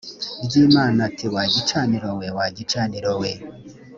ry imana ati wa gicaniro we wa gicaniro we